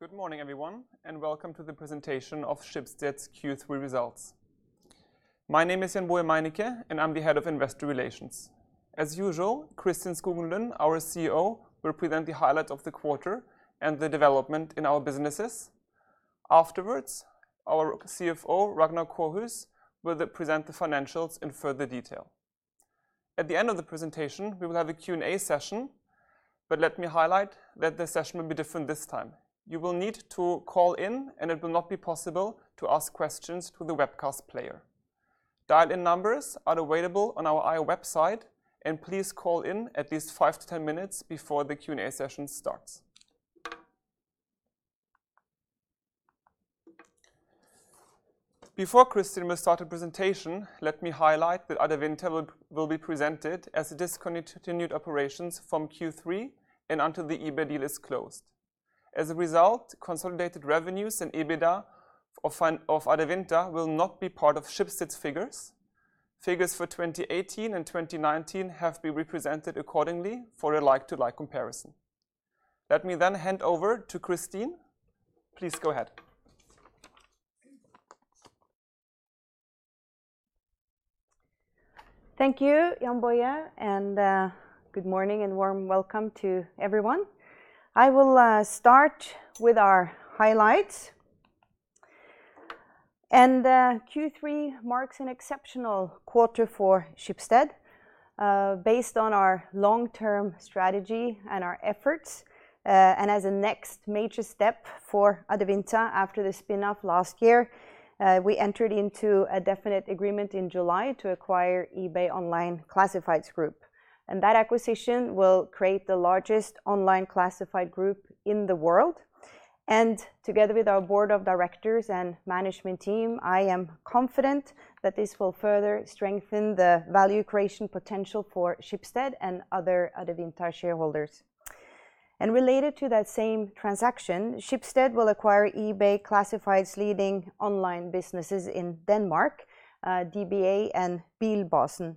Good morning, everyone, and welcome to the presentation of Schibsted's Q3 results. My name is Jann-Boje Meinecke, and I'm the Head of Investor Relations. As usual, Kristin Skogen Lund, our CEO, will present the highlights of the quarter and the development in our businesses. Afterwards, our CFO, Ragnar Kårhus, will present the financials in further detail. At the end of the presentation, we will have a Q&A session. Let me highlight that the session will be different this time. You will need to call in, and it will not be possible to ask questions through the webcast player. Dial-in numbers are available on our IR website. Please call in at least 5-10 minutes before the Q&A session starts. Before Kristin will start the presentation, let me highlight that Adevinta will be presented as discontinued operations from Q3 and until the eBay deal is closed. As a result, consolidated revenues and EBITDA of Adevinta will not be part of Schibsted's figures. Figures for 2018 and 2019 have been represented accordingly for a like-to-like comparison. Let me then hand over to Kristin. Please go ahead. Thank you, Jann-Boje, and good morning and warm welcome to everyone. I will start with our highlights. Q3 marks an exceptional quarter for Schibsted based on our long-term strategy and our efforts. As a next major step for Adevinta after the spin-off last year, we entered into a definite agreement in July to acquire eBay Classifieds Group, and that acquisition will create the largest online classified group in the world. Together with our board of directors and management team, I am confident that this will further strengthen the value creation potential for Schibsted and other Adevinta shareholders. Related to that same transaction, Schibsted will acquire eBay Classifieds' leading online businesses in Denmark, DBA and Bilbasen.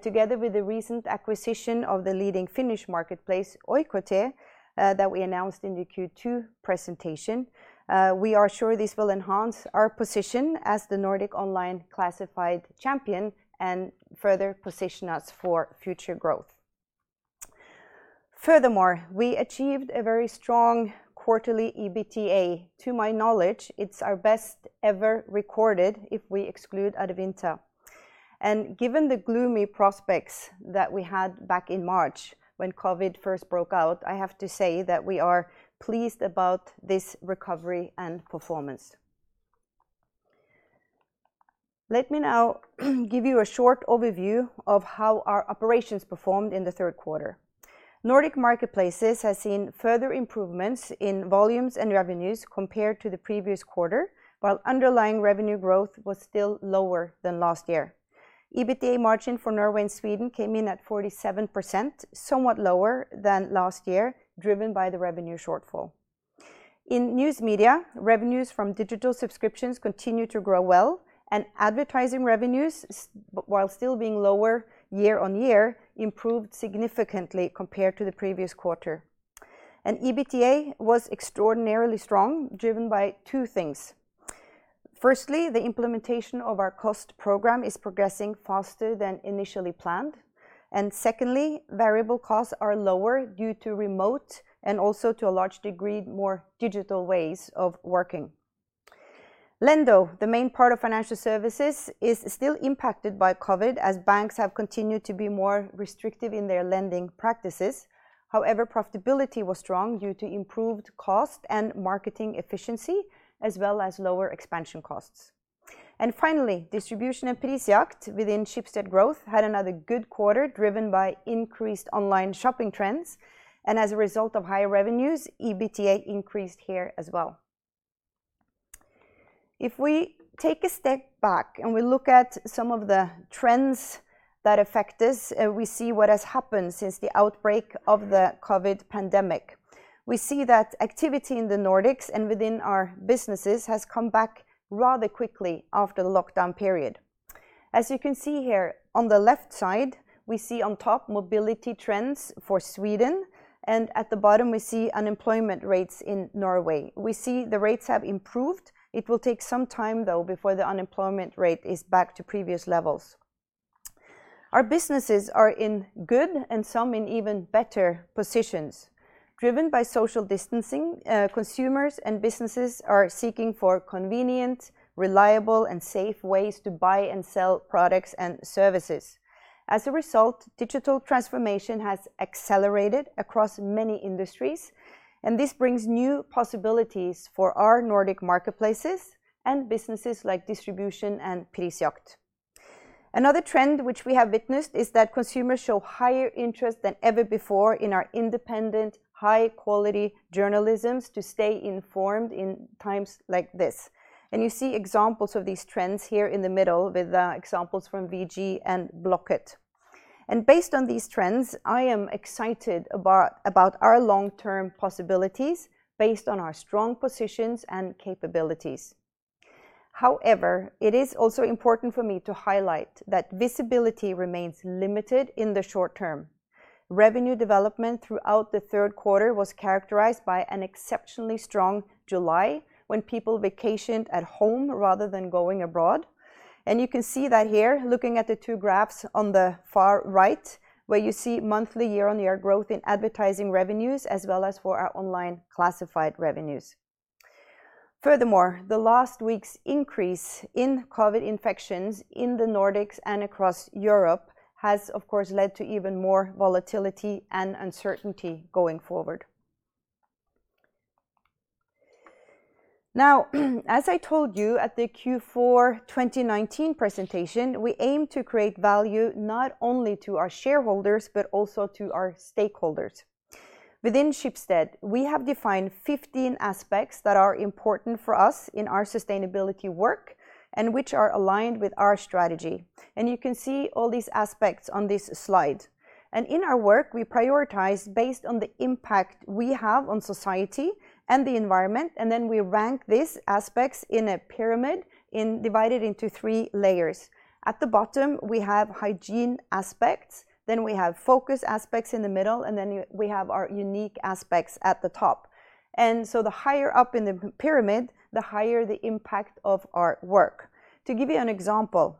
Together with the recent acquisition of the leading Finnish marketplace, Oikotie, that we announced in the Q2 presentation, we are sure this will enhance our position as the Nordic online classified champion and further position us for future growth. Furthermore, we achieved a very strong quarterly EBITDA. To my knowledge, it's our best ever recorded if we exclude Adevinta. Given the gloomy prospects that we had back in March when COVID first broke out, I have to say that we are pleased about this recovery and performance. Let me now give you a short overview of how our operations performed in the third quarter. Nordic Marketplaces has seen further improvements in volumes and revenues compared to the previous quarter, while underlying revenue growth was still lower than last year. EBITDA margin for Norway and Sweden came in at 47%, somewhat lower than last year, driven by the revenue shortfall. In News Media, revenues from digital subscriptions continue to grow well, and advertising revenues, while still being lower year-over-year, improved significantly compared to the previous quarter. EBITDA was extraordinarily strong, driven by two things. Firstly, the implementation of our cost program is progressing faster than initially planned. Secondly, variable costs are lower due to remote and also to a large degree, more digital ways of working. Lendo, the main part of Financial Services, is still impacted by COVID, as banks have continued to be more restrictive in their lending practices. However, profitability was strong due to improved cost and marketing efficiency, as well as lower expansion costs. Finally, Distribution and Prisjakt within Schibsted Growth had another good quarter driven by increased online shopping trends. As a result of higher revenues, EBITDA increased here as well. If we take a step back and we look at some of the trends that affect us, we see what has happened since the outbreak of the COVID pandemic. We see that activity in the Nordics and within our businesses has come back rather quickly after the lockdown period. As you can see here, on the left side, we see on top mobility trends for Sweden, and at the bottom, we see unemployment rates in Norway. We see the rates have improved. It will take some time, though, before the unemployment rate is back to previous levels. Our businesses are in good and some in even better positions. Driven by social distancing, consumers and businesses are seeking for convenient, reliable, and safe ways to buy and sell products and services. As a result, digital transformation has accelerated across many industries, and this brings new possibilities for our Nordic Marketplaces and businesses like Distribution and Prisjakt. Another trend which we have witnessed is that consumers show higher interest than ever before in our independent, high-quality journalisms to stay informed in times like this. You see examples of these trends here in the middle with examples from VG and Blocket. Based on these trends, I am excited about our long-term possibilities based on our strong positions and capabilities. However, it is also important for me to highlight that visibility remains limited in the short term. Revenue development throughout the third quarter was characterized by an exceptionally strong July when people vacationed at home rather than going abroad. You can see that here, looking at the two graphs on the far right, where you see monthly year-on-year growth in advertising revenues, as well as for our online classified revenues. Furthermore, the last week's increase in COVID infections in the Nordics and across Europe has, of course, led to even more volatility and uncertainty going forward. As I told you at the Q4 2019 presentation, we aim to create value not only to our shareholders but also to our stakeholders. Within Schibsted, we have defined 15 aspects that are important for us in our sustainability work and which are aligned with our strategy. You can see all these aspects on this slide. In our work, we prioritize based on the impact we have on society and the environment, and then we rank these aspects in a pyramid divided into three layers. At the bottom, we have hygiene aspects, then we have focus aspects in the middle, and then we have our unique aspects at the top. The higher up in the pyramid, the higher the impact of our work. To give you an example,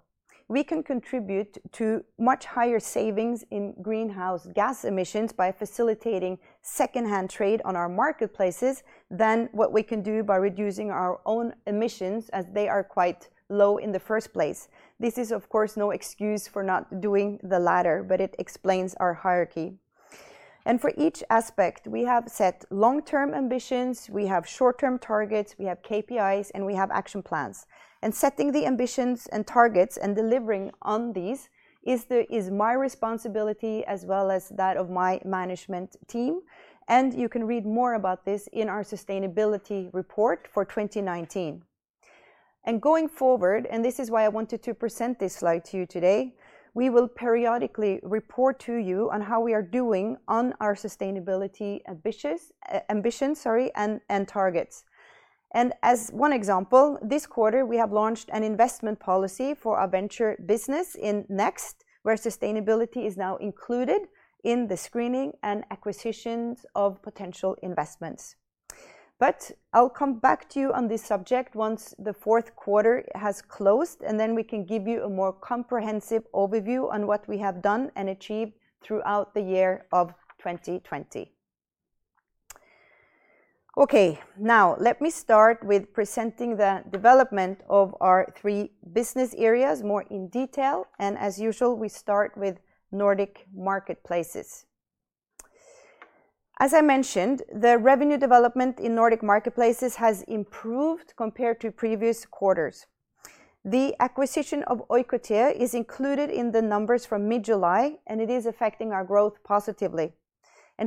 we can contribute to much higher savings in greenhouse gas emissions by facilitating secondhand trade on our marketplaces than what we can do by reducing our own emissions, as they are quite low in the first place. This is, of course, no excuse for not doing the latter, but it explains our hierarchy. For each aspect, we have set long-term ambitions, we have short-term targets, we have KPIs, and we have action plans. Setting the ambitions and targets and delivering on these is my responsibility as well as that of my management team. You can read more about this in our sustainability report for 2019. Going forward, and this is why I wanted to present this slide to you today, we will periodically report to you on how we are doing on our sustainability ambitions and targets. As one example, this quarter, we have launched an investment policy for our venture business in Next, where sustainability is now included in the screening and acquisitions of potential investments. I'll come back to you on this subject once the fourth quarter has closed, and then we can give you a more comprehensive overview on what we have done and achieved throughout the year of 2020. Okay. Now, let me start with presenting the development of our three business areas more in detail. As usual, we start with Nordic Marketplaces. As I mentioned, the revenue development in Nordic Marketplaces has improved compared to previous quarters. The acquisition of Oikotie is included in the numbers from mid-July, it is affecting our growth positively.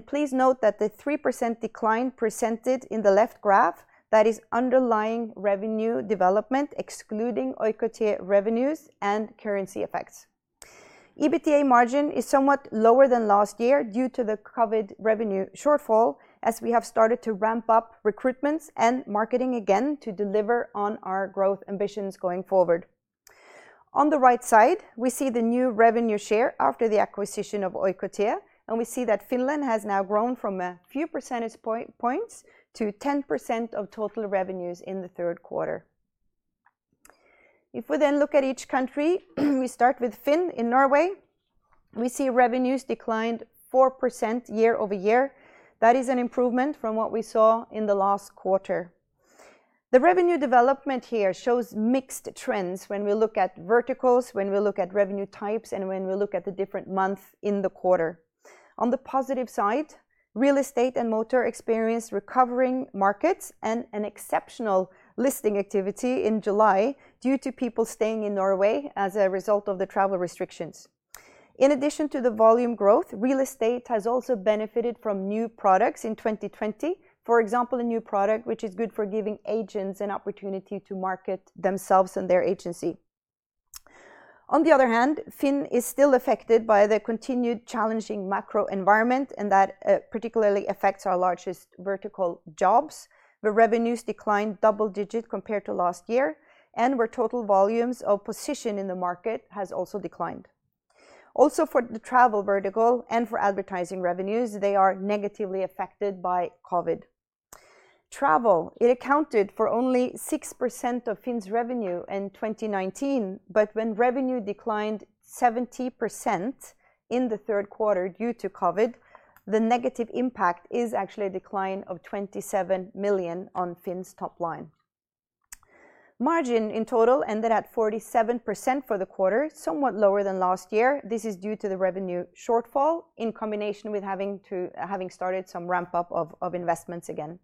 Please note that the 3% decline presented in the left graph, that is underlying revenue development, excluding Oikotie revenues and currency effects. EBITDA margin is somewhat lower than last year due to the COVID revenue shortfall as we have started to ramp up recruitments and marketing again to deliver on our growth ambitions going forward. On the right side, we see the new revenue share after the acquisition of Oikotie, and we see that Finland has now grown from a few percentage points to 10% of total revenues in the third quarter. If we look at each country, we start with FINN in Norway. We see revenues declined 4% year-over-year. That is an improvement from what we saw in the last quarter. The revenue development here shows mixed trends when we look at verticals, when we look at revenue types, and when we look at the different months in the quarter. On the positive side, real estate and motor experienced recovering markets and an exceptional listing activity in July due to people staying in Norway as a result of the travel restrictions. In addition to the volume growth, real estate has also benefited from new products in 2020. For example, a new product which is good for giving agents an opportunity to market themselves and their agency. On the other hand, FINN is still affected by the continued challenging macro environment, and that particularly affects our largest vertical jobs, where revenues declined double-digit compared to last year and where total volumes of position in the market has also declined. For the travel vertical and for advertising revenues, they are negatively affected by COVID. Travel, it accounted for only 6% of FINN's revenue in 2019, but when revenue declined 70% in the third quarter due to COVID, the negative impact is actually a decline of 27 million on FINN's top line. Margin in total ended at 47% for the quarter, somewhat lower than last year. This is due to the revenue shortfall in combination with having started some ramp-up of investments again.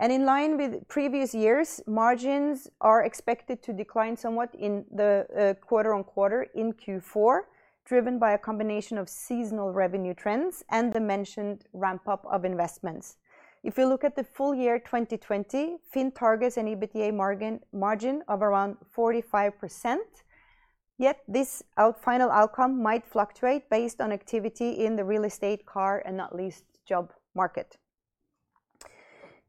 In line with previous years, margins are expected to decline somewhat in the quarter-on-quarter in Q4, driven by a combination of seasonal revenue trends and the mentioned ramp-up of investments. If you look at the full year 2020, FINN targets an EBITDA margin of around 45%. Yet this final outcome might fluctuate based on activity in the real estate, car, and not least job market.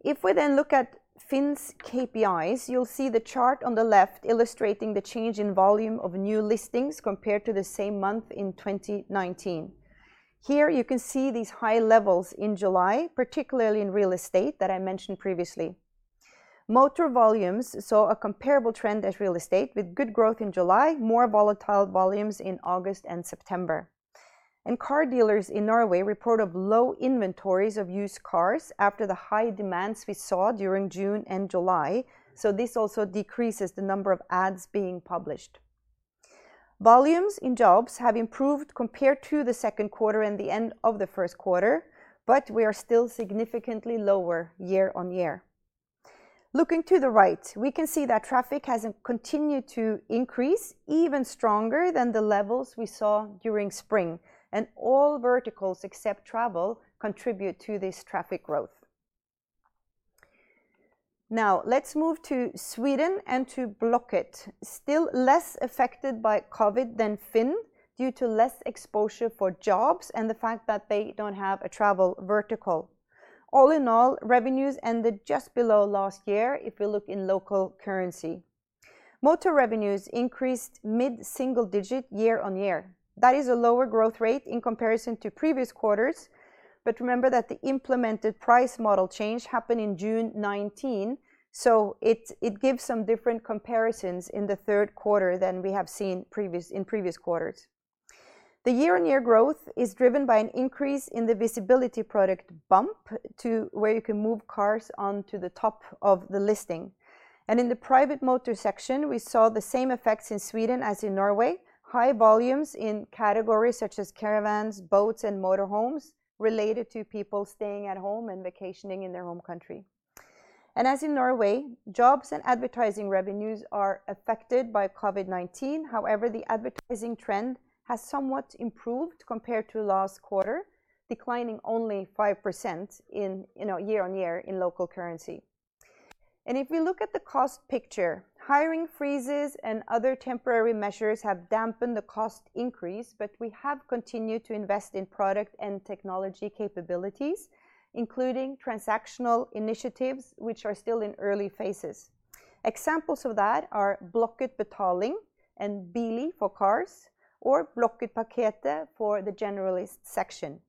If we look at FINN's KPIs, you'll see the chart on the left illustrating the change in volume of new listings compared to the same month in 2019. Here you can see these high levels in July, particularly in real estate that I mentioned previously. Motor volumes saw a comparable trend as real estate with good growth in July, more volatile volumes in August and September. Car dealers in Norway report of low inventories of used cars after the high demands we saw during June and July. This also decreases the number of ads being published. Volumes in jobs have improved compared to the second quarter and the end of the first quarter, but we are still significantly lower year-on-year. Looking to the right, we can see that traffic has continued to increase even stronger than the levels we saw during spring, and all verticals except travel contribute to this traffic growth. Let's move to Sweden and to Blocket. Still less affected by COVID than FINN due to less exposure for jobs and the fact that they don't have a travel vertical. Revenues ended just below last year if you look in local currency. Motor revenues increased mid-single digit year-over-year. That is a lower growth rate in comparison to previous quarters. Remember that the implemented price model change happened in June 2019, it gives some different comparisons in the third quarter than we have seen in previous quarters. The year-over-year growth is driven by an increase in the visibility product Bump to where you can move cars onto the top of the listing. In the private motor section, we saw the same effects in Sweden as in Norway. High volumes in categories such as caravans, boats, and motor homes related to people staying at home and vacationing in their home country. As in Norway, jobs and advertising revenues are affected by COVID-19. However, the advertising trend has somewhat improved compared to last quarter, declining only 5% year-over-year in local currency. If we look at the cost picture, hiring freezes and other temporary measures have dampened the cost increase, but we have continued to invest in product and technology capabilities, including transactional initiatives, which are still in early phases. Examples of that are Blocket Betalning and Bil for cars or Blocketpaketet for the generalist section.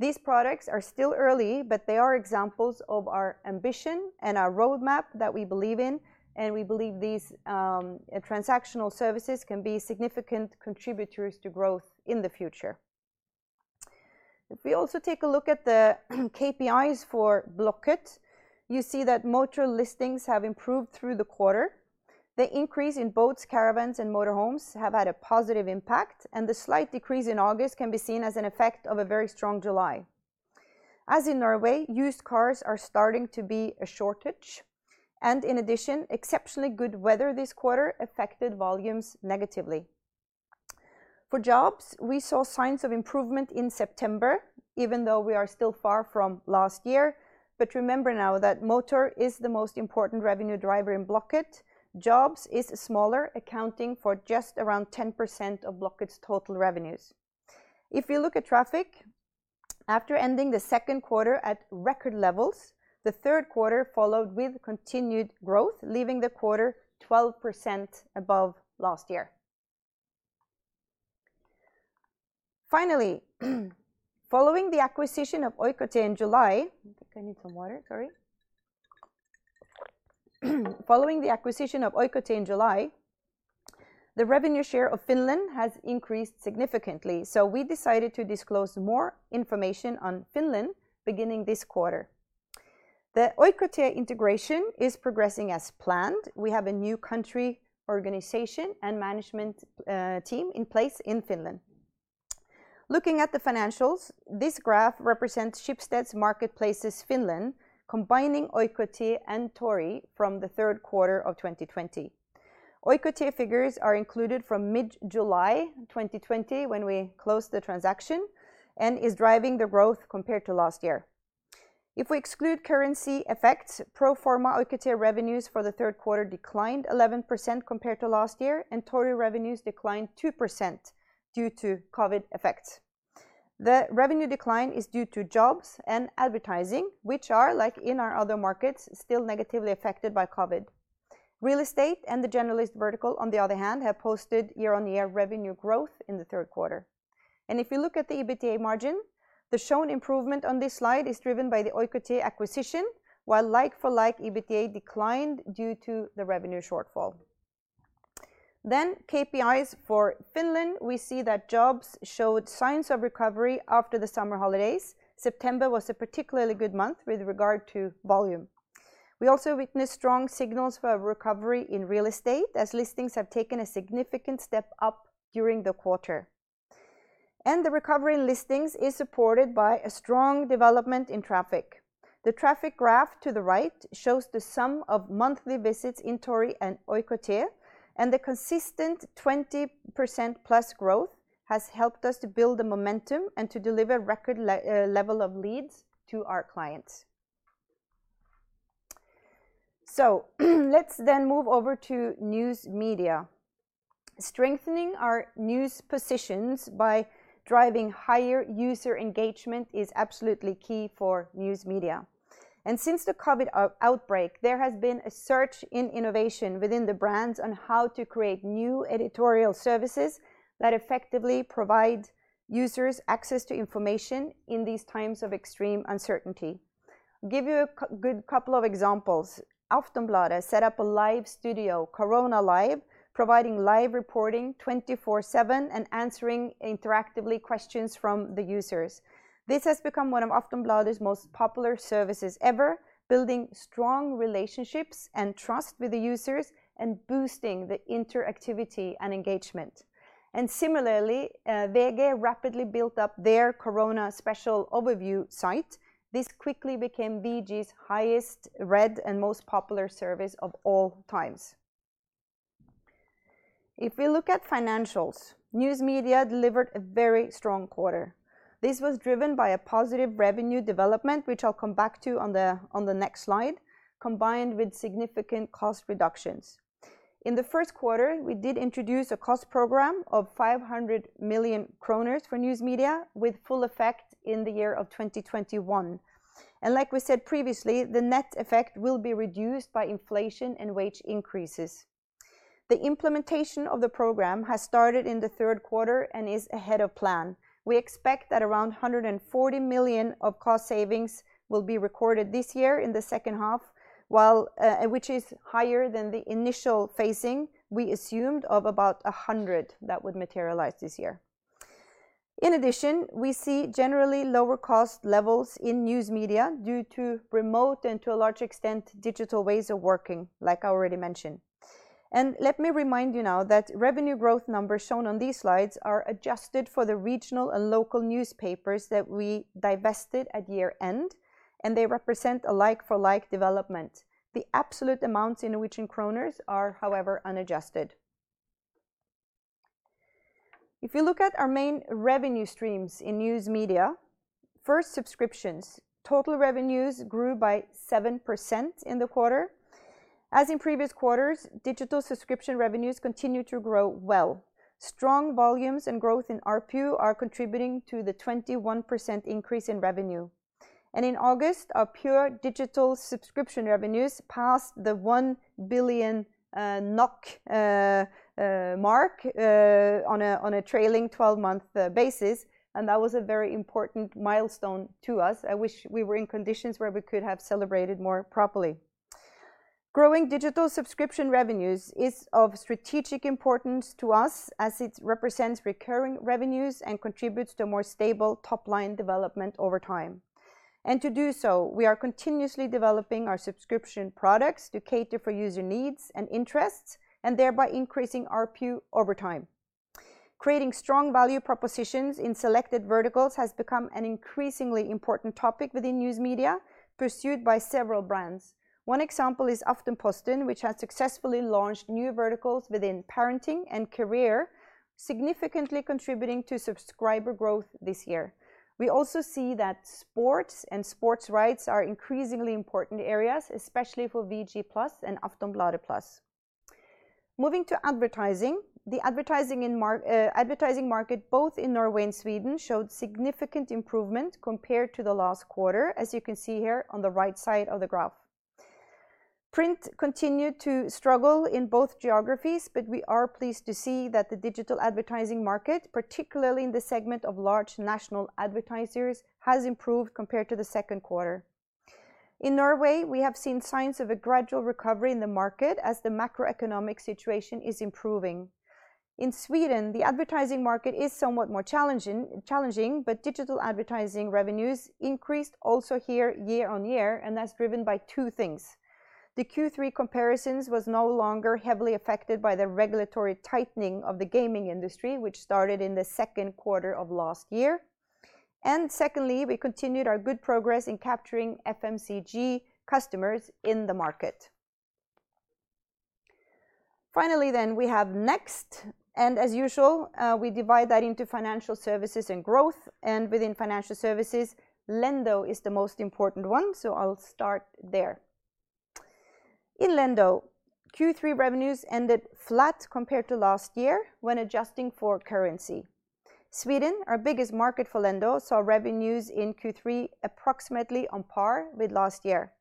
These products are still early, but they are examples of our ambition and our roadmap that we believe in, and we believe these transactional services can be significant contributors to growth in the future. If we also take a look at the KPIs for Blocket, you see that motor listings have improved through the quarter. The increase in boats, caravans, and motor homes have had a positive impact, and the slight decrease in August can be seen as an effect of a very strong July. As in Norway, used cars are starting to be a shortage, and in addition, exceptionally good weather this quarter affected volumes negatively. For jobs, we saw signs of improvement in September, even though we are still far from last year. Remember now that Bil is the most important revenue driver in Blocket. Jobs is smaller, accounting for just around 10% of Blocket's total revenues. If you look at traffic, after ending the second quarter at record levels, the third quarter followed with continued growth, leaving the quarter 12% above last year. Following the acquisition of Oikotie in July I think I need some water. Sorry. Following the acquisition of Oikotie in July, the revenue share of Finland has increased significantly. We decided to disclose more information on Finland beginning this quarter. The Oikotie integration is progressing as planned. We have a new country organization and management team in place in Finland. Looking at the financials, this graph represents Schibsted's Marketplaces Finland, combining Oikotie and Tori from the third quarter of 2020. Oikotie figures are included from mid-July 2020 when we closed the transaction and is driving the growth compared to last year. If we exclude currency effects, pro forma Oikotie revenues for the third quarter declined 11% compared to last year, and Tori revenues declined 2% due to COVID effects. The revenue decline is due to jobs and advertising, which are, like in our other markets, still negatively affected by COVID. Real estate and the generalist vertical, on the other hand, have posted year-over-year revenue growth in the third quarter. If you look at the EBITDA margin, the shown improvement on this slide is driven by the Oikotie acquisition, while like for like, EBITDA declined due to the revenue shortfall. KPIs for Finland, we see that jobs showed signs of recovery after the summer holidays. September was a particularly good month with regard to volume. We also witnessed strong signals for a recovery in real estate as listings have taken a significant step up during the quarter. The recovery in listings is supported by a strong development in traffic. The traffic graph to the right shows the sum of monthly visits in Tori and Oikotie, the consistent 20%+ growth has helped us to build the momentum and to deliver record level of leads to our clients. Let's then move over to News Media. Strengthening our news positions by driving higher user engagement is absolutely key for News Media. Since the COVID outbreak, there has been a surge in innovation within the brands on how to create new editorial services that effectively provide users access to information in these times of extreme uncertainty. Give you a good couple of examples. Aftonbladet set up a live studio, Corona Live, providing live reporting 24/7 and answering interactively questions from the users. This has become one of Aftonbladet's most popular services ever, building strong relationships and trust with the users and boosting the interactivity and engagement. Similarly, VG rapidly built up their Corona special overview site. This quickly became VG's highest-read and most popular service of all times. If we look at financials, News Media delivered a very strong quarter. This was driven by a positive revenue development, which I'll come back to on the next slide, combined with significant cost reductions. In the first quarter, we did introduce a cost program of 500 million kroner for News Media with full effect in the year of 2021. Like we said previously, the net effect will be reduced by inflation and wage increases. The implementation of the program has started in the third quarter and is ahead of plan. We expect that around 140 million of cost savings will be recorded this year in the second half, which is higher than the initial phasing we assumed of about 100 million that would materialize this year. We see generally lower cost levels in News Media due to remote and to a large extent, digital ways of working, like I already mentioned. Let me remind you now that revenue growth numbers shown on these slides are adjusted for the regional and local newspapers that we divested at year-end, and they represent a like-for-like development. The absolute amounts in Norwegian kroner are, however, unadjusted. If you look at our main revenue streams in News Media, first subscriptions. Total revenues grew by 7% in the quarter. As in previous quarters, digital subscription revenues continue to grow well. Strong volumes and growth in ARPU are contributing to the 21% increase in revenue. In August, our pure digital subscription revenues passed the 1 billion NOK mark on a trailing 12-month basis, and that was a very important milestone to us. I wish we were in conditions where we could have celebrated more properly. Growing digital subscription revenues is of strategic importance to us as it represents recurring revenues and contributes to more stable top-line development over time. To do so, we are continuously developing our subscription products to cater for user needs and interests, and thereby increasing ARPU over time. Creating strong value propositions in selected verticals has become an increasingly important topic within News Media, pursued by several brands. One example is Aftenposten, which has successfully launched new verticals within parenting and career, significantly contributing to subscriber growth this year. We also see that sports and sports rights are increasingly important areas, especially for VG+ and Aftonbladet+. Moving to advertising, the advertising market both in Norway and Sweden showed significant improvement compared to the last quarter, as you can see here on the right side of the graph. Print continued to struggle in both geographies. We are pleased to see that the digital advertising market, particularly in the segment of large national advertisers, has improved compared to the second quarter. In Norway, we have seen signs of a gradual recovery in the market as the macroeconomic situation is improving. In Sweden, the advertising market is somewhat more challenging. Digital advertising revenues increased also here year-on-year. That's driven by two things. The Q3 comparisons was no longer heavily affected by the regulatory tightening of the gaming industry, which started in the second quarter of last year. Secondly, we continued our good progress in capturing FMCG customers in the market. Finally, we have Next, and as usual, we divide that into Financial Services and Growth, and within Financial Services, Lendo is the most important one, I'll start there. In Lendo, Q3 revenues ended flat compared to last year when adjusting for currency. Sweden, our biggest market for Lendo, saw revenues in Q3 approximately on par with last year.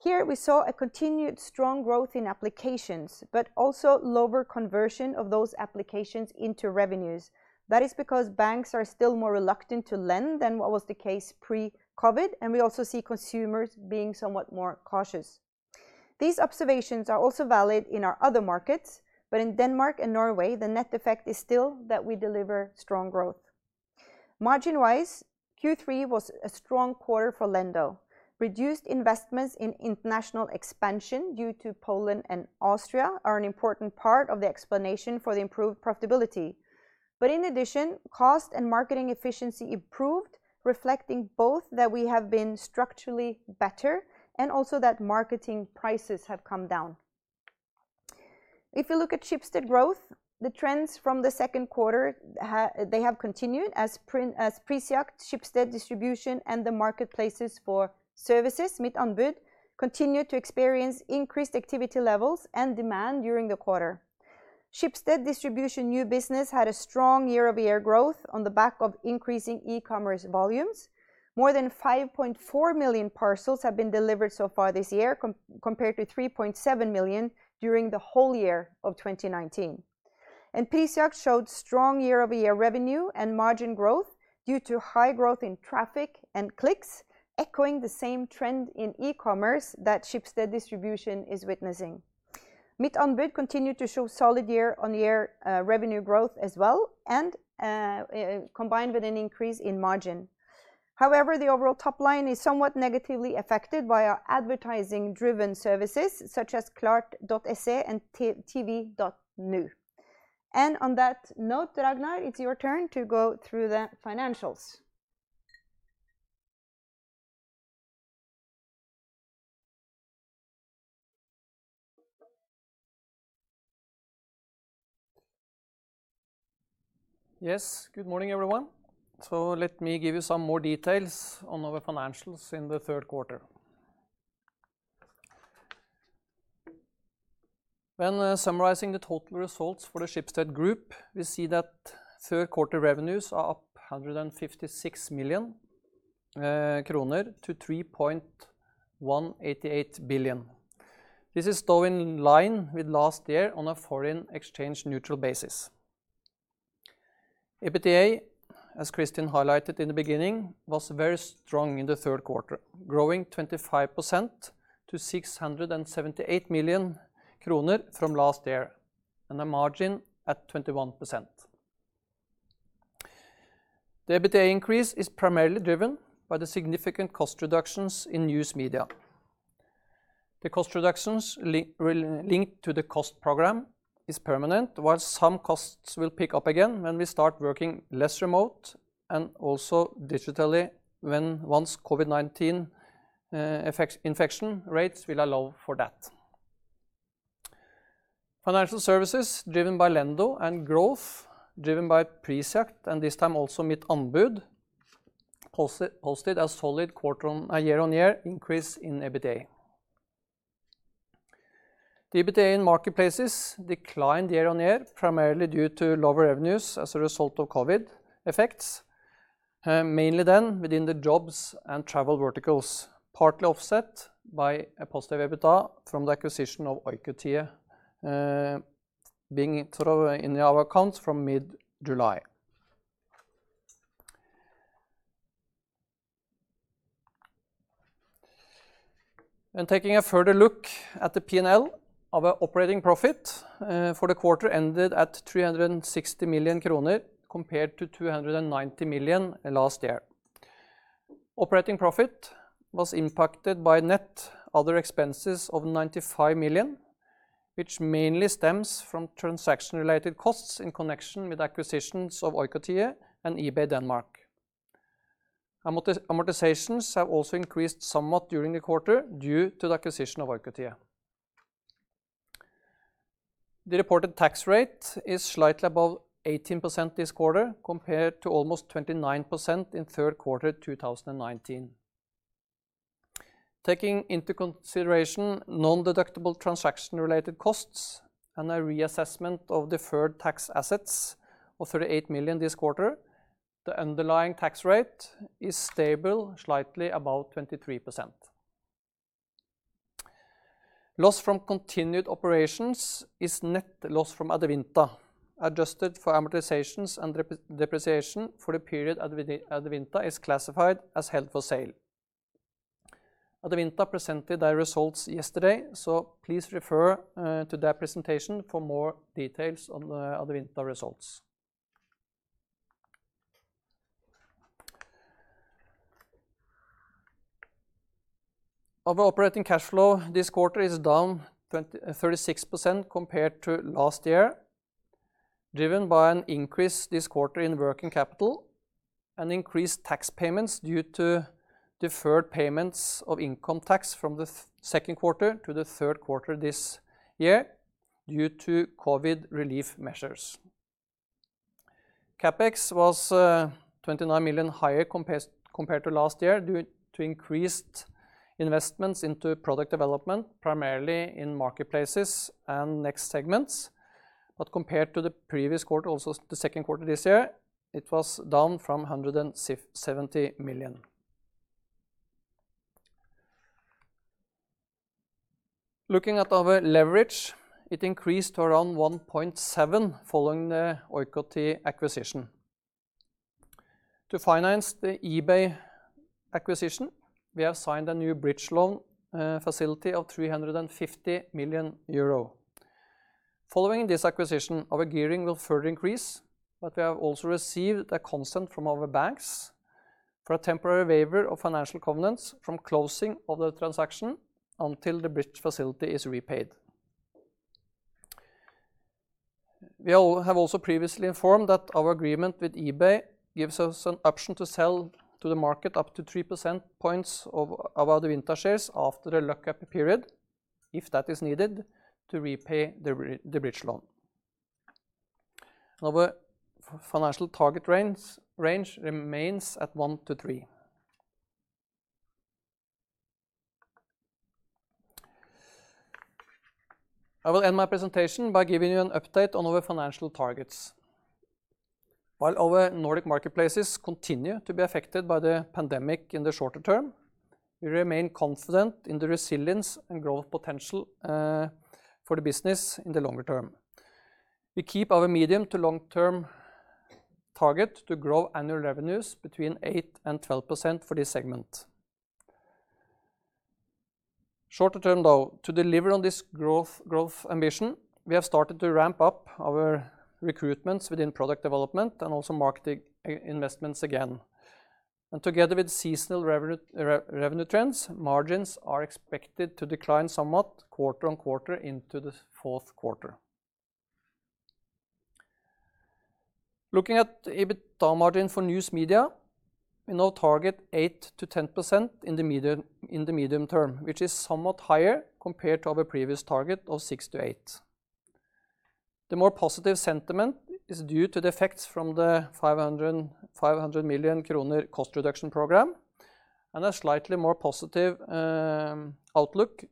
Here we saw a continued strong growth in applications, also lower conversion of those applications into revenues. That is because banks are still more reluctant to lend than what was the case pre-COVID, we also see consumers being somewhat more cautious. These observations are also valid in our other markets, but in Denmark and Norway, the net effect is still that we deliver strong growth. Margin-wise, Q3 was a strong quarter for Lendo. Reduced investments in international expansion due to Poland and Austria are an important part of the explanation for the improved profitability. In addition, cost and marketing efficiency improved, reflecting both that we have been structurally better and also that marketing prices have come down. If you look at Schibsted Growth, the trends from the second quarter have continued as Prisjakt, Schibsted Distribution, and the marketplaces for services, Mittanbud, continue to experience increased activity levels and demand during the quarter. Schibsted Distribution new business had a strong year-over-year growth on the back of increasing e-commerce volumes. More than 5.4 million parcels have been delivered so far this year, compared to 3.7 million during the whole year of 2019. Prisjakt showed strong year-over-year revenue and margin growth due to high growth in traffic and clicks, echoing the same trend in e-commerce that Schibsted Distribution is witnessing. Mittanbud continued to show solid year-on-year revenue growth as well, and combined with an increase in margin. However, the overall top line is somewhat negatively affected by our advertising-driven services such as Klart.se and TV.nu. On that note, Ragnar, it's your turn to go through the financials. Yes. Good morning, everyone. Let me give you some more details on our financials in the third quarter. When summarizing the total results for the Schibsted Group, we see that third quarter revenues are up NOK 156 million to NOK 3.188 billion. This is still in line with last year on a foreign exchange neutral basis. EBITDA, as Kristin highlighted in the beginning, was very strong in the third quarter, growing 25% to 678 million kroner from last year, and a margin at 21%. The EBITDA increase is primarily driven by the significant cost reductions in News Media. The cost reductions linked to the cost program is permanent, while some costs will pick up again when we start working less remote and also digitally once COVID-19 infection rates will allow for that. Financial Services, driven by Lendo, and Growth, driven by Prisjakt and this time also Mittanbud, posted a solid year-on-year increase in EBITDA. The EBITDA in Marketplaces declined year-on-year, primarily due to lower revenues as a result of COVID effects. Mainly then within the jobs and travel verticals, partly offset by a positive EBITDA from the acquisition of Oikotie being in our accounts from mid-July. Taking a further look at the P&L of our operating profit for the quarter ended at 360 million kroner compared to 290 million last year. Operating profit was impacted by net other expenses of 95 million, which mainly stems from transaction-related costs in connection with acquisitions of Oikotie and eBay Denmark. Amortizations have also increased somewhat during the quarter due to the acquisition of Oikotie. The reported tax rate is slightly above 18% this quarter, compared to almost 29% in third quarter 2019. Taking into consideration non-deductible transaction-related costs and a reassessment of deferred tax assets of 38 million this quarter, the underlying tax rate is stable, slightly above 23%. Loss from continued operations is net loss from Adevinta, adjusted for amortizations and depreciation for the period Adevinta is classified as held for sale. Adevinta presented their results yesterday, so please refer to their presentation for more details on the Adevinta results. Our operating cash flow this quarter is down 36% compared to last year, driven by an increase this quarter in working capital and increased tax payments due to deferred payments of income tax from the second quarter to the third quarter this year due to COVID relief measures. CapEx was 29 million higher compared to last year due to increased investments into product development, primarily in Marketplaces and Next segments. Compared to the previous quarter, also the second quarter this year, it was down from 170 million. Looking at our leverage, it increased to around 1.7x following the Oikotie acquisition. To finance the eBay acquisition, we have signed a new bridge loan facility of 350 million euro. Following this acquisition, our gearing will further increase, but we have also received a consent from our banks for a temporary waiver of financial covenants from closing of the transaction until the bridge facility is repaid. We have also previously informed that our agreement with eBay gives us an option to sell to the market up to 3 percentage points of our Adevinta shares after a lock-up period, if that is needed to repay the bridge loan. Our financial target range remains at 1x-3x. I will end my presentation by giving you an update on our financial targets. While our Nordic Marketplaces continue to be affected by the pandemic in the shorter term, we remain confident in the resilience and growth potential for the business in the longer term. We keep our medium to long-term target to grow annual revenues between 8% and 12% for this segment. Shorter term, though, to deliver on this growth ambition, we have started to ramp up our recruitments within product development and also marketing investments again. Together with seasonal revenue trends, margins are expected to decline somewhat quarter-on-quarter into the fourth quarter. Looking at EBITDA margin for News Media, we now target 8%-10% in the medium term, which is somewhat higher compared to our previous target of 6%-8%. The more positive sentiment is due to the effects from the 500 million kroner cost reduction program and a slightly more positive outlook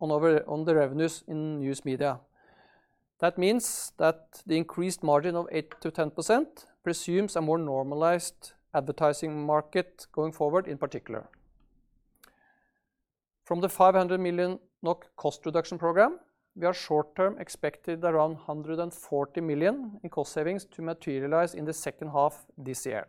on the revenues in News Media. That means that the increased margin of 8%-10% presumes a more normalized advertising market going forward, in particular. From the 500 million NOK cost reduction program, we are short-term expected around 140 million in cost savings to materialize in the second half this year.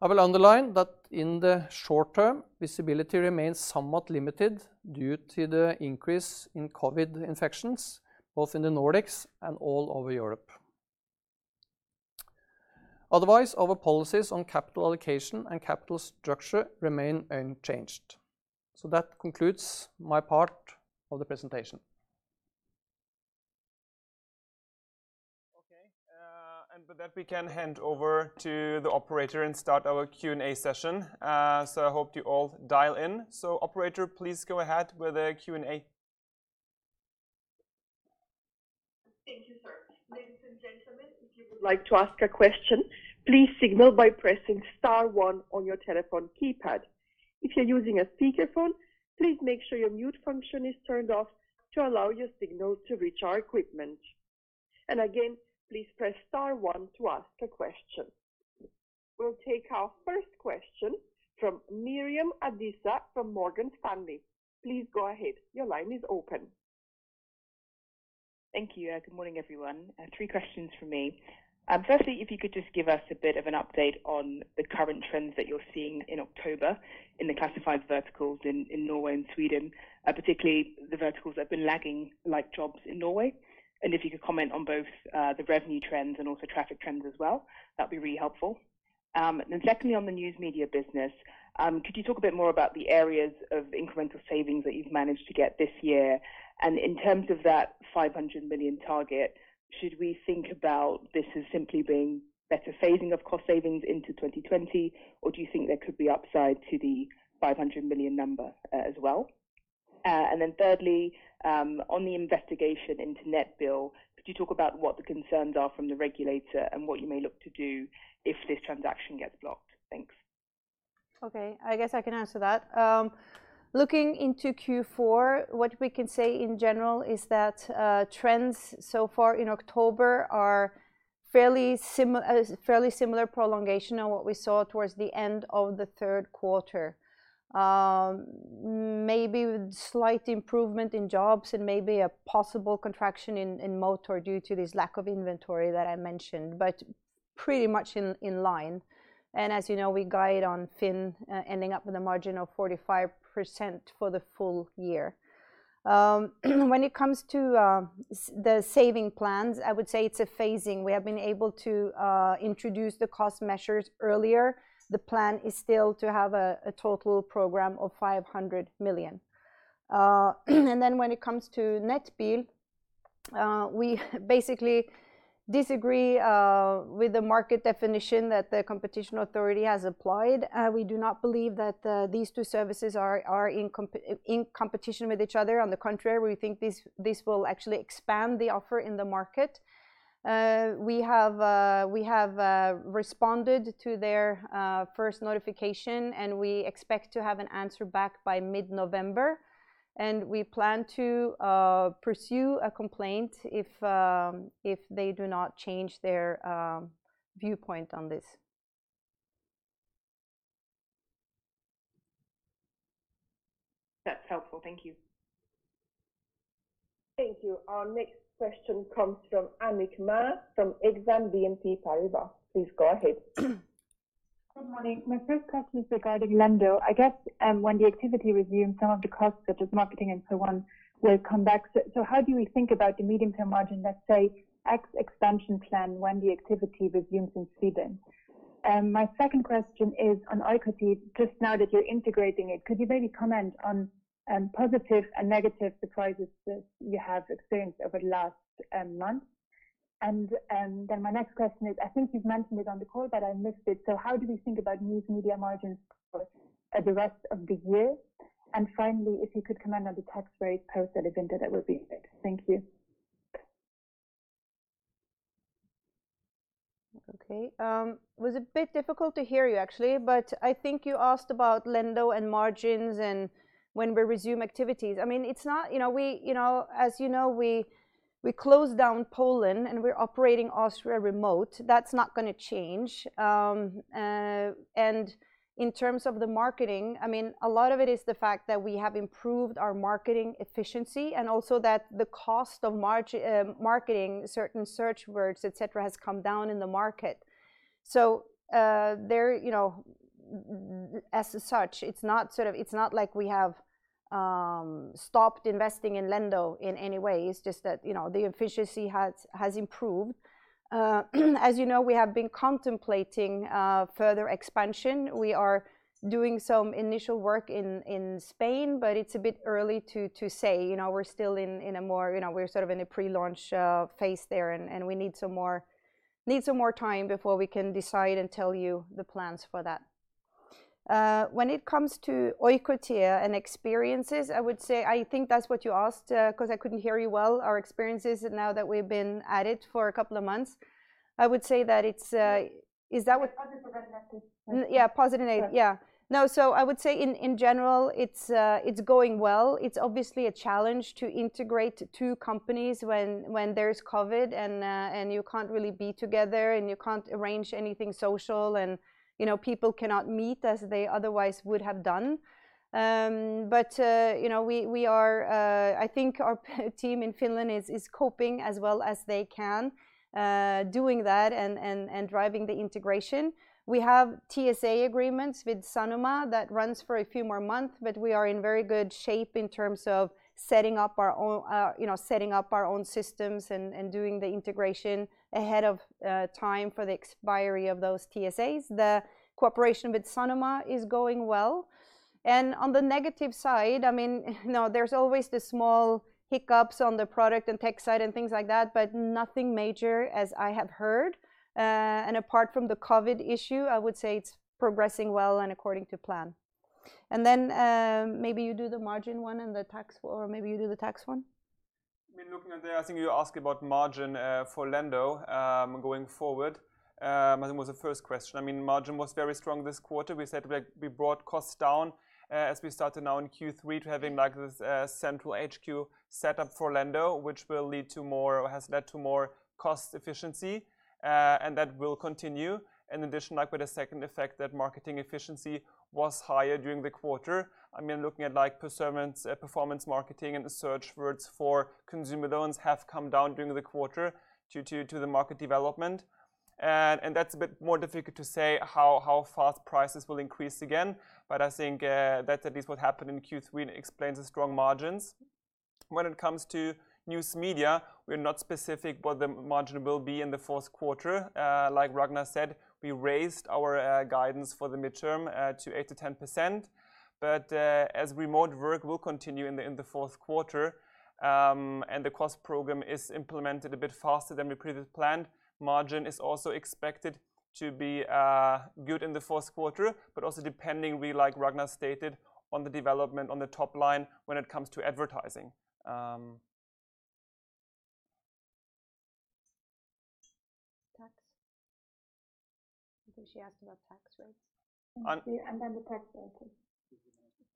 I will underline that in the short term, visibility remains somewhat limited due to the increase in COVID infections, both in the Nordics and all over Europe. Otherwise, our policies on capital allocation and capital structure remain unchanged. That concludes my part of the presentation. Okay. With that, we can hand over to the operator and start our Q&A session. I hope you all dial in. Operator, please go ahead with the Q&A. Ladies and gentlemen, if you would like to ask a question, please signal by pressing star one on your telephone keypad. If you're using a speakerphone, please make sure your mute function is turned off to allow your signal to reach our equipment. And again, please press star one to ask a question. We'll take our first question from Miriam Adisa from Morgan Stanley. Thank you. Good morning, everyone. Three questions from me. Firstly, if you could just give us a bit of an update on the current trends that you're seeing in October in the classified verticals in Norway and Sweden, particularly the verticals that have been lagging, like jobs in Norway. If you could comment on both the revenue trends and also traffic trends as well, that'd be really helpful. Secondly, on the News Media business, could you talk a bit more about the areas of incremental savings that you've managed to get this year? In terms of that 500 million target, should we think about this as simply being better phasing of cost savings into 2020, or do you think there could be upside to the 500 million number as well? thirdly, on the investigation into Nettbil, could you talk about what the concerns are from the regulator and what you may look to do if this transaction gets blocked? Thanks. Okay. I guess I can answer that. Looking into Q4, what we can say in general is that trends so far in October are fairly similar prolongation on what we saw towards the end of the third quarter. Maybe with slight improvement in jobs and maybe a possible contraction in motor due to this lack of inventory that I mentioned, but pretty much in line. As you know, we guide on FINN ending up with a margin of 45% for the full year. When it comes to the saving plans, I would say it's a phasing. We have been able to introduce the cost measures earlier. The plan is still to have a total program of 500 million. Then when it comes to Nettbil, we basically disagree with the market definition that the competition authority has applied. We do not believe that these two services are in competition with each other. On the contrary, we think this will actually expand the offer in the market. We have responded to their first notification, and we expect to have an answer back by mid-November. We plan to pursue a complaint if they do not change their viewpoint on this. That's helpful. Thank you. Thank you. Our next question comes from Annick Maas from Exane BNP Paribas. Please go ahead. Good morning. My first question is regarding Lendo. I guess when the activity resumes, some of the costs, such as marketing and so on, will come back. How do we think about the medium-term margin, let's say, ex-expansion plan when the activity resumes in Sweden? My second question is on Oikotie, just now that you're integrating it, could you maybe comment on positive and negative surprises that you have experienced over the last month? My next question is, I think you've mentioned it on the call, but I missed it, so how do we think about News Media margins for the rest of the year? Finally, if you could comment on the tax rate post-Adevinta, that would be it. Thank you. Okay. It was a bit difficult to hear you actually, but I think you asked about Lendo and margins and when we resume activities. As you know, we closed down Poland, and we're operating Austria remote. That's not going to change. in terms of the marketing, a lot of it is the fact that we have improved our marketing efficiency, and also that the cost of marketing certain search words, et cetera, has come down in the market. as such, it's not like we have stopped investing in Lendo in any way. It's just that the efficiency has improved. As you know, we have been contemplating further expansion. We are doing some initial work in Spain, but it's a bit early to say. We're still in a pre-launch phase there, and we need some more time before we can decide and tell you the plans for that. When it comes to Oikotie and experiences, I would say, I think that's what you asked, because I couldn't hear you well, our experiences now that we've been at it for a couple of months. Yeah, positive or negative. I would say in general, it's going well. It's obviously a challenge to integrate two companies when there's COVID, and you can't really be together, and you can't arrange anything social, and people cannot meet as they otherwise would have done. I think our team in Finland is coping as well as they can doing that and driving the integration. We have TSA agreements with Sanoma that runs for a few more months, but we are in very good shape in terms of setting up our own systems and doing the integration ahead of time for the expiry of those TSAs. The cooperation with Sanoma is going well. On the negative side, there's always the small hiccups on the product and tech side and things like that, but nothing major as I have heard. apart from the COVID issue, I would say it's progressing well and according to plan. Maybe you do the margin one and the tax, or maybe you do the tax one. Looking at that, I think you asked about margin for Lendo going forward. I think it was the first question. Margin was very strong this quarter. We said we brought costs down as we started now in Q3 to having this central HQ set up for Lendo, which has led to more cost efficiency, and that will continue. In addition, with the second effect, that marketing efficiency was higher during the quarter. Looking at performance marketing and the search words for consumer loans have come down during the quarter due to the market development. That's a bit more difficult to say how fast prices will increase again, but I think that at least what happened in Q3 explains the strong margins. When it comes to News Media, we're not specific what the margin will be in the fourth quarter. Like Ragnar said, we raised our guidance for the midterm to 8%-10%, but as remote work will continue in the fourth quarter, and the cost program is implemented a bit faster than we previously planned, margin is also expected to be good in the fourth quarter, but also depending, really, like Ragnar stated, on the development on the top line when it comes to advertising. Tax. I think she asked about tax rates. the tax rate too.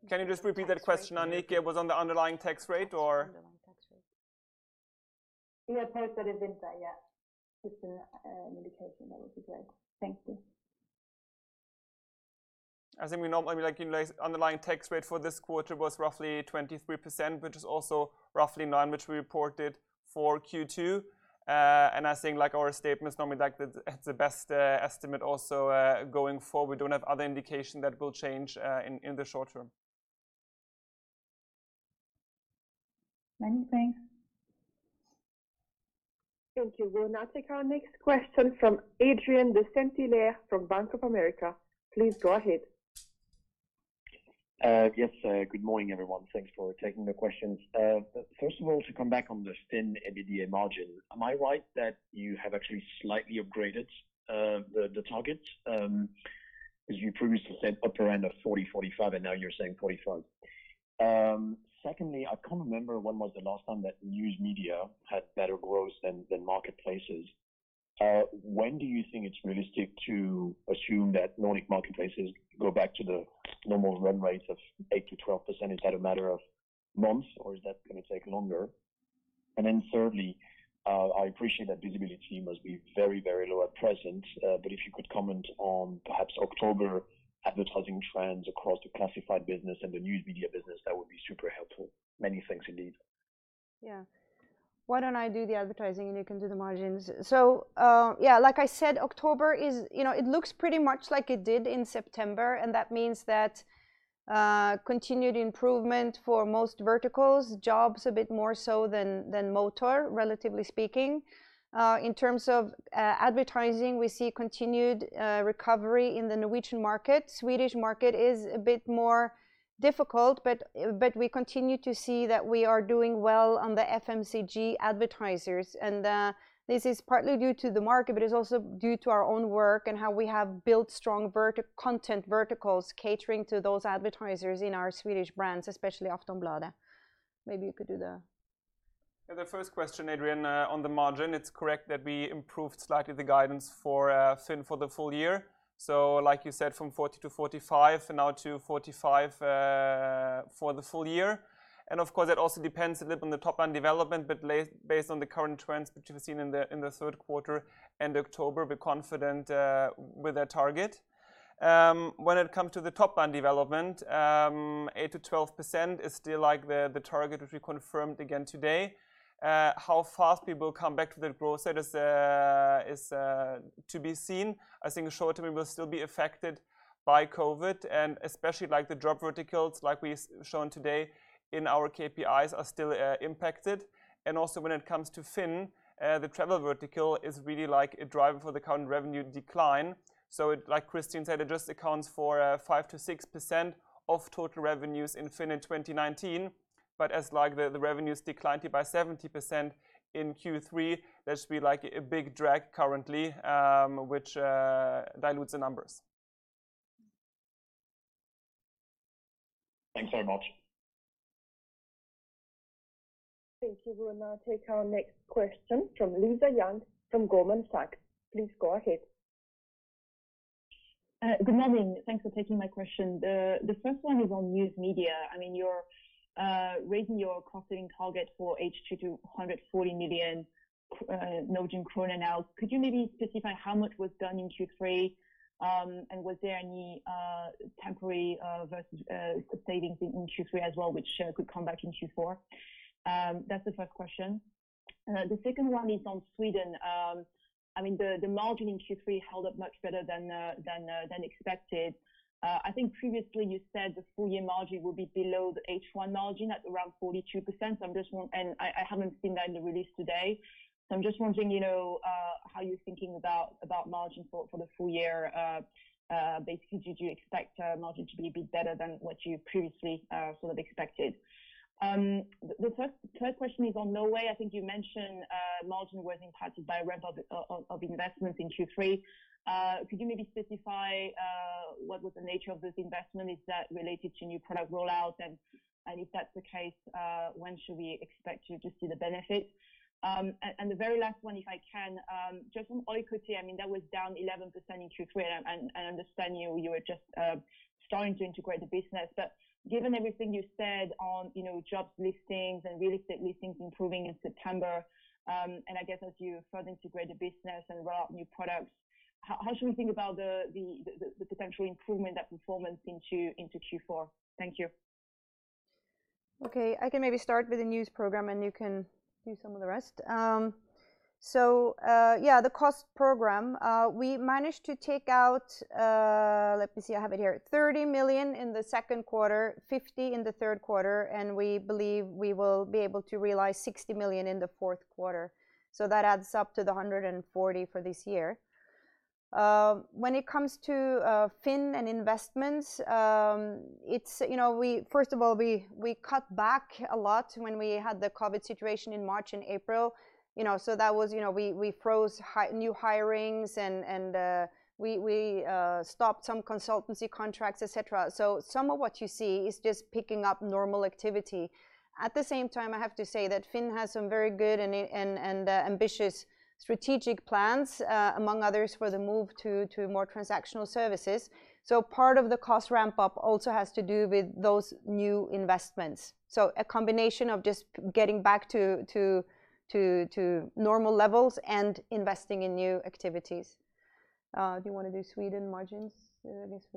Can you just repeat that question, Annick? It was on the underlying tax rate or? Underlying tax rate. Yeah, post-Adevinta, yeah. Just an indication, that would be great. Thank you. I think underlying tax rate for this quarter was roughly 23%, which is also roughly in line with we reported for Q2. I think our statement is normally the best estimate also going forward. We don't have other indication that will change in the short term. Many thanks. Thank you. We'll now take our next question from Adrien de Saint Hilaire from Bank of America. Please go ahead. Yes. Good morning, everyone. Thanks for taking the questions. First of all, to come back on the FINN EBITDA margin, am I right that you have actually slightly upgraded the target? Because you previously said upper end of 40%, 45%, and now you're saying 45%. Secondly, I can't remember when was the last time that News Media had better growth than Marketplaces. When do you think it's realistic to assume that Nordic Marketplaces go back to the normal run rates of 8%-12%? Is that a matter of months, or is that going to take longer? Thirdly, I appreciate that visibility must be very, very low at present, but if you could comment on perhaps October advertising trends across the Classified business and the News Media business, that would be super helpful. Many thanks indeed. Yeah. Why don't I do the advertising, and you can do the margins? yeah, like I said, October, it looks pretty much like it did in September, and that means that continued improvement for most verticals. Jobs a bit more so than motor, relatively speaking. In terms of advertising, we see continued recovery in the Norwegian market. Swedish market is a bit more difficult, but we continue to see that we are doing well on the FMCG advertisers. this is partly due to the market, but it's also due to our own work and how we have built strong content verticals catering to those advertisers in our Swedish brands, especially Aftonbladet. Maybe you could do the The first question, Adrien, on the margin, it's correct that we improved slightly the guidance for FINN for the full year. Like you said, from 40% to 45%, now to 45% for the full year. Of course, it also depends a little on the top-line development, but based on the current trends which we've seen in the third quarter, end of October, we're confident with that target. When it comes to the top-line development, 8%-12% is still the target, which we confirmed again today. How fast people come back to the growth rate is to be seen. I think short-term we will still be affected by COVID, and especially the job verticals, like we've shown today in our KPIs, are still impacted. Also when it comes to FINN, the travel vertical is really a driver for the current revenue decline. like Kristin said, it just accounts for 5%-6% of total revenues in FINN in 2019. as the revenues declined by 70% in Q3, that should be a big drag currently, which dilutes the numbers. Thanks very much. Thank you. We will now take our next question from Lisa Yang from Goldman Sachs. Please go ahead. Good morning. Thanks for taking my question. The first one is on News Media. You're raising your cost-saving target for H2 to 140 million krone now. Could you maybe specify how much was done in Q3? Was there any temporary versus savings in Q3 as well, which could come back in Q4? That's the first question. The second one is on Sweden. The margin in Q3 held up much better than expected. I think previously you said the full year margin will be below the H1 margin at around 42%. I haven't seen that in the release today. I'm just wondering how you're thinking about margin for the full year. Basically, did you expect margin to be a bit better than what you previously expected? The third question is on Norway. I think you mentioned margin was impacted by ramp of investments in Q3. Could you maybe specify what was the nature of this investment? Is that related to new product rollouts? If that's the case, when should we expect to just see the benefit? The very last one, if I can, just on Oikotie, that was down 11% in Q3, and I understand you were just starting to integrate the business. Given everything you said on job listings and real estate listings improving in September, and I guess as you further integrate the business and roll out new products, how should we think about the potential improvement, that performance into Q4? Thank you. Okay, I can maybe start with the news program, and you can do some of the rest. Yeah, the cost program, we managed to take out, let me see, I have it here, 30 million in the second quarter, 50 million in the third quarter, and we believe we will be able to realize 60 million in the fourth quarter. That adds up to the 140 million for this year. When it comes to FINN and investments, first of all, we cut back a lot when we had the COVID situation in March and April. We froze new hirings, and we stopped some consultancy contracts, et cetera. Some of what you see is just picking up normal activity. At the same time, I have to say that FINN has some very good and ambitious strategic plans, among others, for the move to more transactional services. part of the cost ramp-up also has to do with those new investments. A combination of just getting back to normal levels and investing in new activities. Do you want to do Sweden margins at least?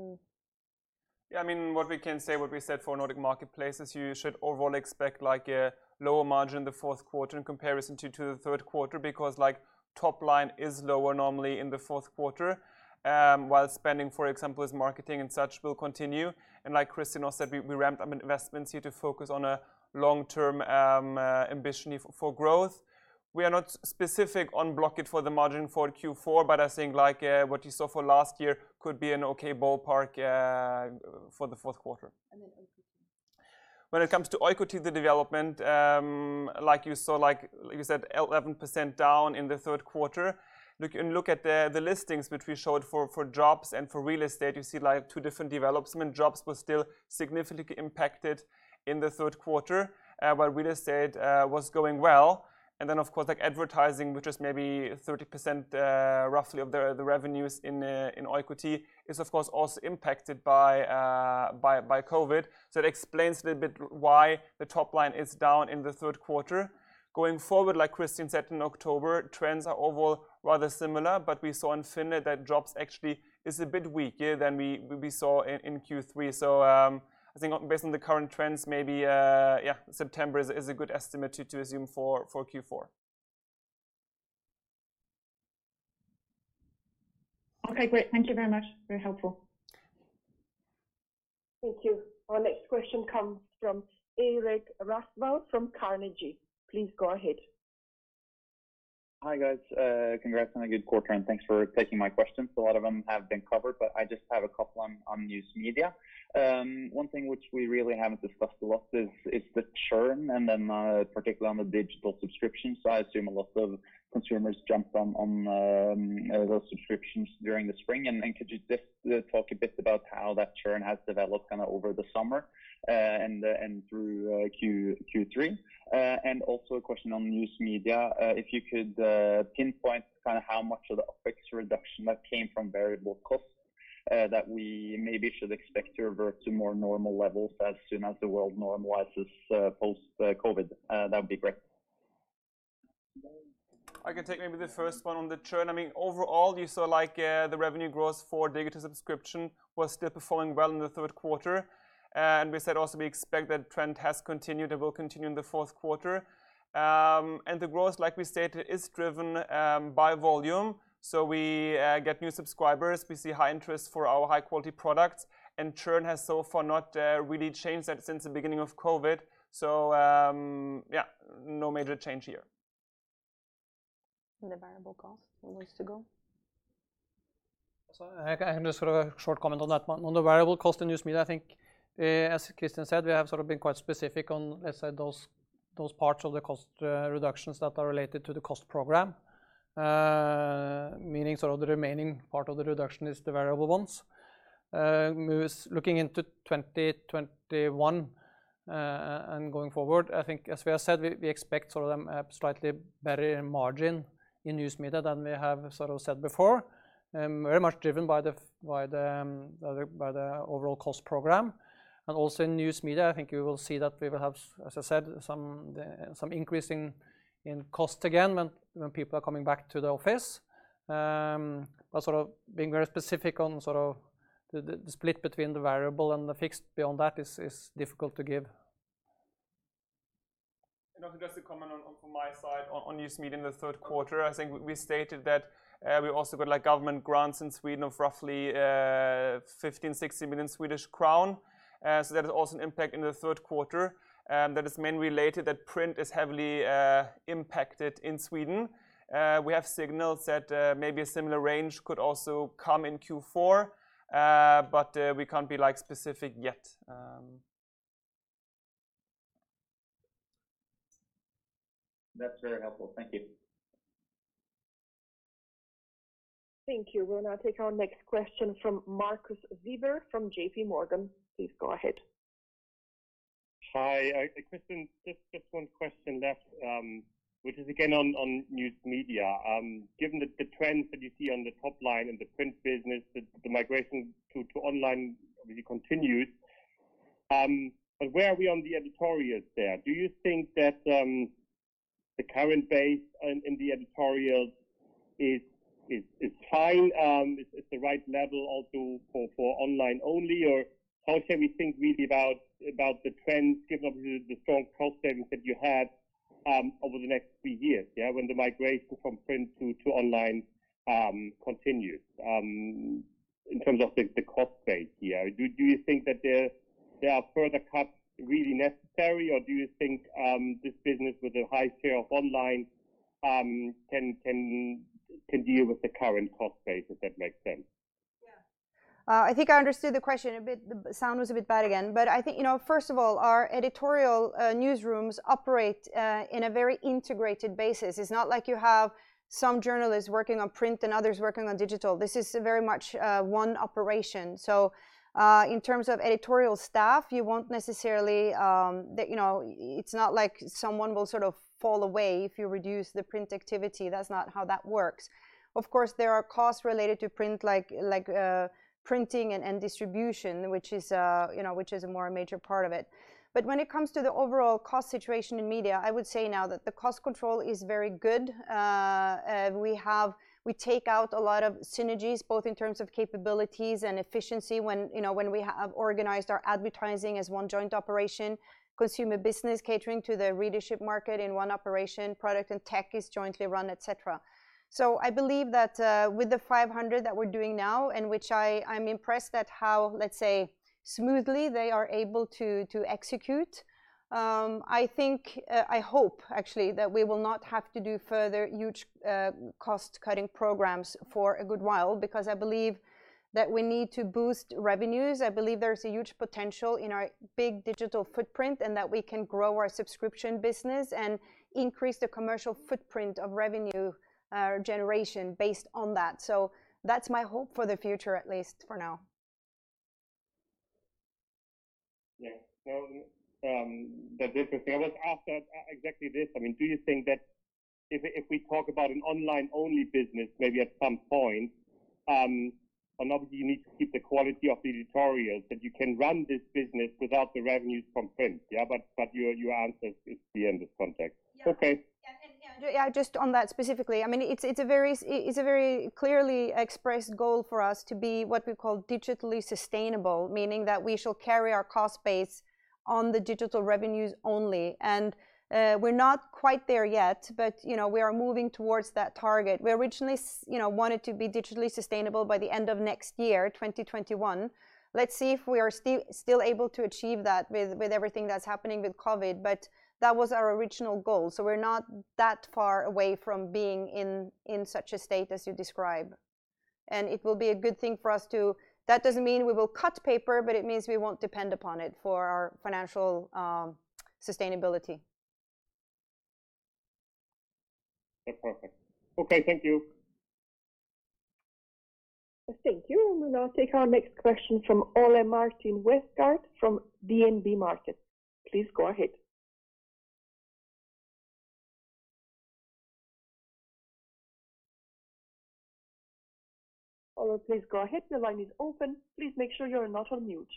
Yeah, what we can say, what we said for Nordic Marketplaces, you should overall expect a lower margin in the fourth quarter in comparison to the third quarter, because top line is lower normally in the fourth quarter, while spending, for example, as marketing and such, will continue. Like Kristin also said, we ramped up investments here to focus on a long-term ambition for growth. We are not specific on Blocket for the margin for Q4, but I think what you saw for last year could be an okay ballpark for the fourth quarter. Oikotie. When it comes to Oikotie, the development, like you said, 11% down in the third quarter. Look at the listings which we showed for jobs and for real estate. You see two different developments. Jobs was still significantly impacted in the third quarter, while real estate was going well. Of course, advertising, which was maybe 30% roughly of the revenues in Oikotie, is of course also impacted by COVID. It explains a little bit why the top line is down in the third quarter. Going forward, like Kristin said, in October, trends are overall rather similar, but we saw in FINN that jobs actually is a bit weaker than we saw in Q3. I think based on the current trends, maybe September is a good estimate to assume for Q4. Okay, great. Thank you very much. Very helpful. Thank you. Our next question comes from Eirik Rafdal from Carnegie. Please go ahead. Hi, guys. Congrats on a good quarter and thanks for taking my questions. A lot of them have been covered, but I just have a couple on News Media. One thing which we really haven't discussed a lot is the churn, and then particularly on the digital subscription side, I assume a lot of consumers jumped on those subscriptions during the spring. Could you just talk a bit about how that churn has developed over the summer and through Q3? Also a question on News Media. If you could pinpoint how much of the OpEx reduction that came from variable costs that we maybe should expect to revert to more normal levels as soon as the world normalizes post-COVID. That would be great. I can take maybe the first one on the churn. Overall, you saw the revenue growth for digital subscription was still performing well in the third quarter. We said also we expect that trend has continued and will continue in the fourth quarter. The growth, like we stated, is driven by volume. We get new subscribers. We see high interest for our high-quality products. Churn has so far not really changed that since the beginning of COVID. No major change here. the variable cost, who wants to go? I can just sort of short comment on that one. On the variable cost in News Media, I think as Kristin said, we have been quite specific on those parts of the cost reductions that are related to the cost program. Meaning the remaining part of the reduction is the variable ones. Looking into 2021 and going forward, I think as we have said, we expect slightly better margin in News Media than we have said before. Very much driven by the overall cost program. Also in News Media, I think you will see that we will have, as I said, some increase in cost again when people are coming back to the office. Being very specific on the split between the variable and the fixed beyond that is difficult to give. Just to comment on from my side on News Media in the third quarter, I think we stated that we also got government grants in Sweden of roughly 15 million-16 million Swedish crown. That is also an impact in the third quarter. That is mainly related that print is heavily impacted in Sweden. We have signaled that maybe a similar range could also come in Q4, but we can't be specific yet. That's very helpful. Thank you. Thank you. We'll now take our next question from Marcus Diebel from JPMorgan. Please go ahead. Hi. Kristin, just one question left, which is again on News Media. Given the trends that you see on the top line in the print business, the migration to online really continues. Where are we on the editorial there? Do you think that the current base in the editorial is high, is at the right level also for online only? How can we think really about the trends given the strong cost savings that you had over the next three years, when the migration from print to online continues in terms of the cost base here? Do you think that there are further cuts really necessary or do you think this business with a high share of online can deal with the current cost base, if that makes sense? Yeah. I think I understood the question a bit. The sound was a bit bad again. I think, first of all, our editorial newsrooms operate in a very integrated basis. It's not like you have some journalists working on print and others working on digital. This is very much one operation. In terms of editorial staff, it's not like someone will sort of fall away if you reduce the print activity. That's not how that works. Of course, there are costs related to print like printing and distribution, which is a more major part of it. When it comes to the overall cost situation in media, I would say now that the cost control is very good. We take out a lot of synergies, both in terms of capabilities and efficiency when we have organized our advertising as one joint operation, consumer business catering to the readership market in one operation, product and tech is jointly run, et cetera. I believe that with the 500 that we're doing now, and which I'm impressed at how smoothly they are able to execute, I hope that we will not have to do further huge cost-cutting programs for a good while because I believe that we need to boost revenues. I believe there's a huge potential in our big digital footprint and that we can grow our subscription business and increase the commercial footprint of revenue generation based on that. That's my hope for the future, at least for now. Yeah. I was asked exactly this. Do you think that if we talk about an online-only business maybe at some point, and obviously you need to keep the quality of the editorial, that you can run this business without the revenues from print? You answered it in this context. Okay Yeah, just on that specifically. It's a very clearly expressed goal for us to be what we call digitally sustainable, meaning that we shall carry our cost base on the digital revenues only. We're not quite there yet, but we are moving towards that target. We originally wanted to be digitally sustainable by the end of next year, 2021. Let's see if we are still able to achieve that with everything that's happening with COVID, but that was our original goal. We're not that far away from being in such a state as you describe. It will be a good thing for us, too. That doesn't mean we will cut paper, but it means we won't depend upon it for our financial sustainability. Perfect. Okay. Thank you. Thank you. We will now take our next question from Ole Martin Westgaard from DNB Markets. Please go ahead. Ole, please go ahead. Your line is open. Please make sure you're not on mute.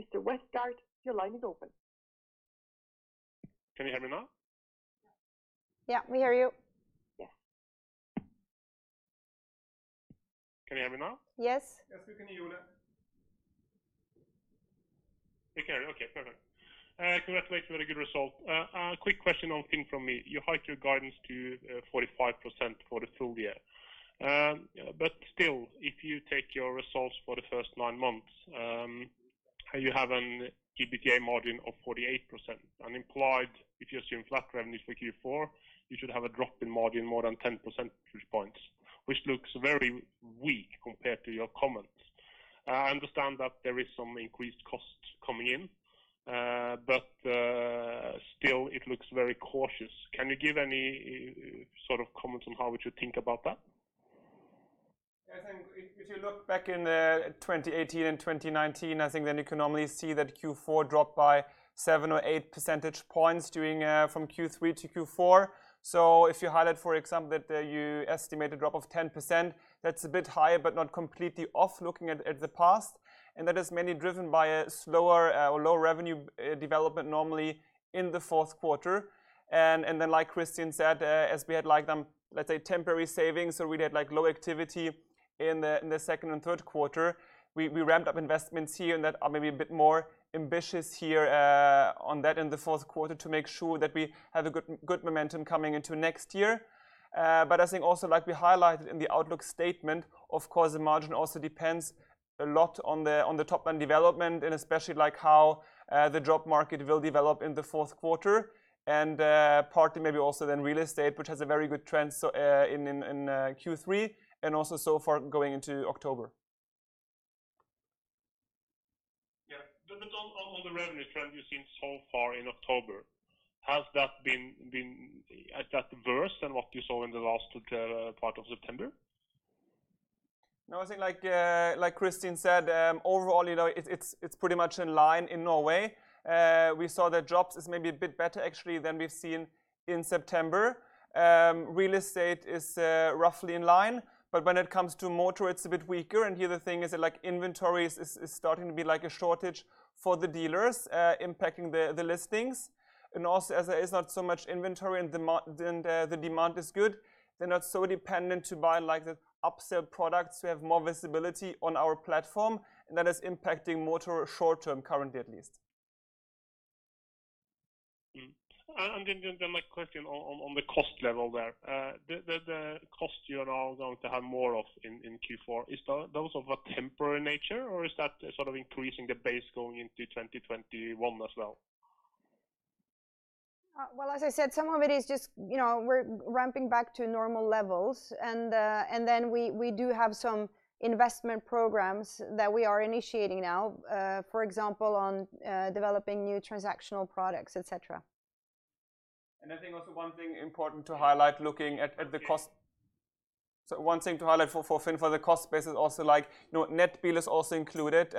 Mr. Westgaard, your line is open. Can you hear me now? Yeah, we hear you. Yeah. Can you hear me now? Yes. Yes, we can hear you, Ole. You can. Okay, perfect. Congratulations on a good result. A quick question on FINN from me. You hiked your guidance to 45% for the full year. still, if you take your results for the first nine months, you have an EBITDA margin of 48%, and implied, if you assume flat revenues for Q4, you should have a drop in margin more than 10 percentage points, which looks very weak compared to your comments. I understand that there is some increased costs coming in, but still, it looks very cautious. Can you give any comments on how would you think about that? If you look back in 2018 and 2019, I think then you can normally see that Q4 dropped by 7 or 8 percentage points doing from Q3 to Q4. If you highlight, for example, that you estimate a drop of 10%, that's a bit higher, but not completely off looking at the past. That is mainly driven by a slower or low revenue development normally in the fourth quarter. Like Kristin said, as we had like, let's say, temporary savings or we had low activity in the second and third quarter, we ramped up investments here and there are maybe a bit more ambitious here on that in the fourth quarter to make sure that we have a good momentum coming into next year. I think also like we highlighted in the outlook statement, of course, the margin also depends a lot on the top-line development and especially how the job market will develop in the fourth quarter and partly maybe also then real estate, which has a very good trend in Q3 and also so far going into October. Yeah. on the revenue trend you've seen so far in October, has that worse than what you saw in the last part of September? No, I think like Kristin said, overall, it's pretty much in line in Norway. We saw that jobs is maybe a bit better actually than we've seen in September. Real estate is roughly in line, but when it comes to motor, it's a bit weaker, and here the thing is that inventory is starting to be a shortage for the dealers, impacting the listings. also, as there is not so much inventory and the demand is good, they're not so dependent to buy the upsell products to have more visibility on our platform, and that is impacting motor short-term, currently at least. my question on the cost level there. The cost you are now going to have more of in Q4, is those of a temporary nature or is that increasing the base going into 2021 as well? Well, as I said, some of it is just we're ramping back to normal levels, and then we do have some investment programs that we are initiating now, for example, on developing new transactional products, et cetera. one thing to highlight for FINN, for the cost base is also Nettbil is also included,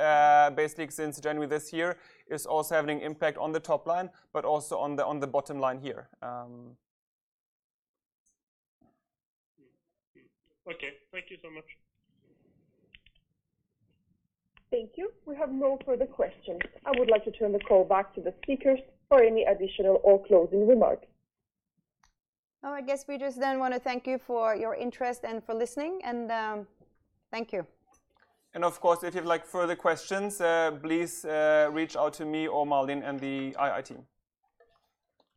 basically since January this year, is also having impact on the top line, but also on the bottom line here. Okay. Thank you so much. Thank you. We have no further questions. I would like to turn the call back to the speakers for any additional or closing remarks. Oh, I guess we just then want to thank you for your interest and for listening, and thank you. Of course, if you'd like further questions, please reach out to me or Malin and the IR team.